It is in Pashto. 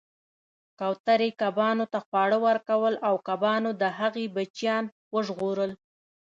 کوترې کبانو ته خواړه ورکول او کبانو د هغې بچیان وژغورل